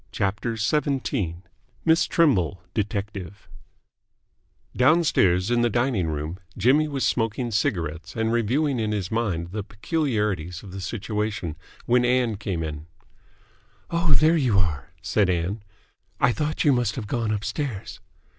CHAPTER XVII MISS TRIMBLE, DETECTIVE Downstairs, in the dining room, Jimmy was smoking cigarettes and reviewing in his mind the peculiarities of the situation, when Ann came in. "Oh, there you are," said Ann. "I thought you must have gone upstairs."